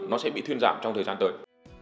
nó sẽ bị thuyên giảm trong thời gian tới